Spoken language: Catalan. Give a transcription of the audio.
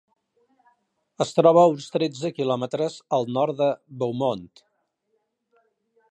Es troba a uns tretze quilòmetres al nord de Beaumont.